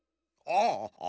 ああ！